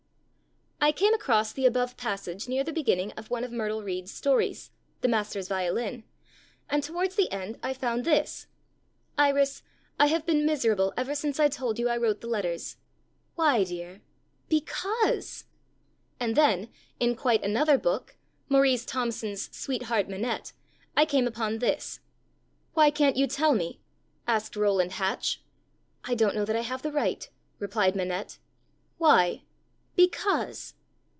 _"' I came across the above passage near the beginning of one of Myrtle Reed's stories The Master's Violin and, towards the end, I found this: '"Iris, I have been miserable ever since I told you I wrote the letters." '"Why, dear?" '"Because!"' And then, in quite another book Maurice Thompson's Sweetheart Manette I came upon this: '"Why can't you tell me?" asked Rowland Hatch. '"I don't know that I have the right," replied Manette. '"Why?" '"_Because!